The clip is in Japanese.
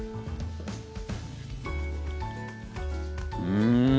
うん！